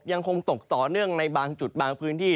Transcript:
ยังคงตกต่อเนื่องในบางจุดบางพื้นที่